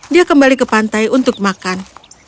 dia kembali ke pantai untuk makan